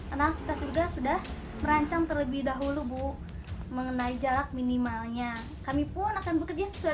karena kita surga sudah merancang terlebih dahulu bu mengenai jarak minimalnya kami pun akan bekerja sesuai